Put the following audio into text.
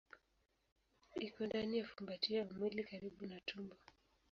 Iko ndani ya fumbatio ya mwili karibu na tumbo.